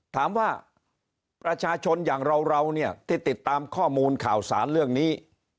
ถามว่าประชาชนอย่างเราเนี่ยที่ติดตามข้อมูลข่าวสารเรื่องนี้